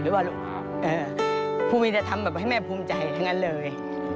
หรือว่าผู้มีแต่ทำแบบให้แม่ภูมิใจทั้งนั้นเลย